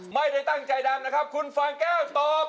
ไม่ได้ตั้งใจดำนะครับคุณฟางแก้วตอบ